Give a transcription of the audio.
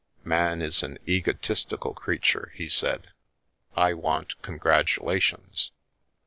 " Man is an egotistical creature," he said. " I want congratulations."